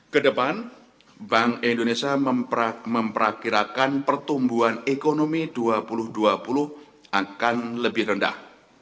kedepan bank indonesia memperkirakan pertumbuhan ekonomi dua ribu dua puluh akan lebih rendah